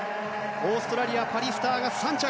オーストラリアのパリスターが３着。